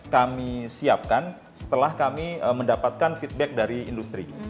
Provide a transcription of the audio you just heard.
kami siapkan setelah kami mendapatkan feedback dari industri